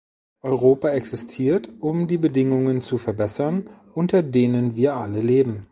Europa existiert, um die Bedingungen zu verbessern, unter denen wir alle leben.